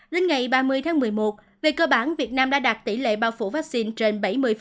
đến ngày ba mươi tháng một mươi một về cơ bản việt nam đã đạt tỷ lệ bao phủ vaccine trên bảy mươi